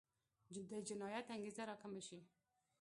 د جنایت انګېزه راکمه شي.